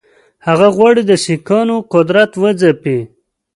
هغه غواړي د سیکهانو قدرت وځپي.